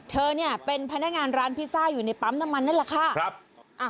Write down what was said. เธอเนี่ยเป็นพนักงานร้านพิซซ่าอยู่ในปั๊มน้ำมันนั่นแหละค่ะ